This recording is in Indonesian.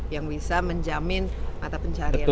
yang bisa menjamin mata pencarian